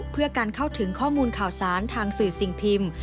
เพื่อการเข้าถึงข้อมูลข่าวสารทางสื่อสิ่งพิมพ์